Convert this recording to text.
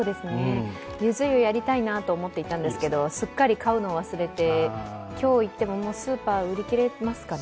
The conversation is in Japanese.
ゆず湯やりたいなと思っていたんですけど、すっかり買うのを忘れて今日行ってもスーパー、売り切れますかね。